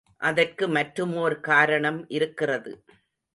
அதற்கு மற்றுமோர் காரணம் இருக்கிறது.